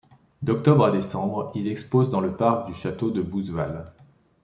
D'octobre à décembre, il expose dans le parc du Château de Bousval.